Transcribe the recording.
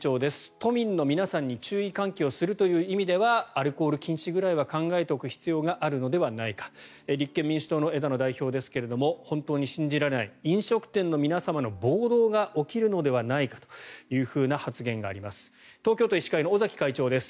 都民の皆さんに注意喚起をするという意味ではアルコール禁止ぐらいは考えておく必要があるのではないか立憲民主党の枝野代表ですが本当に信じられない飲食店の皆様の暴動が起きるのではないかという発言があります。